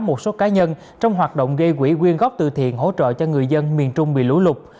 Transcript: một số cá nhân trong hoạt động gây quỹ quyên góp từ thiện hỗ trợ cho người dân miền trung bị lũ lụt